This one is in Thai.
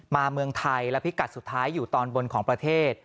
เมืองไทยและพิกัดสุดท้ายอยู่ตอนบนของประเทศ